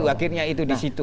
akhirnya itu di situ